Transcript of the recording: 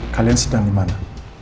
kalian sedang dimana